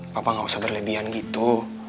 bapak gak usah berlebihan gitu